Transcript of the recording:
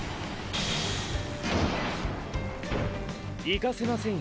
行かせませんよ。